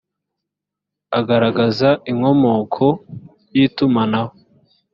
agaragaza inkomoko y’itumanaho